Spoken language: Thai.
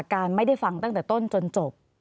การไม่ได้ฟังตั้งแต่ต้นจนจบ